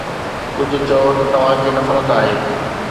ڪجهه چئو ته توهان کي نفرت آهي